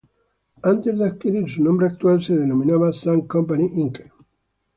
Antes de adquirir su nombre actual, se denominaba Sun Company Inc.